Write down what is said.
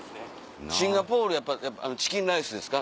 シンガポールやっぱチキンライスですか？